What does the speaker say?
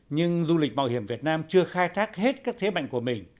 nhưng du lịch bảo hiểm việt nam chưa khai thác hết các thế mạnh của mình